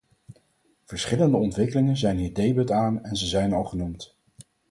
Verschillende ontwikkelingen zijn hier debet aan en ze zijn al genoemd.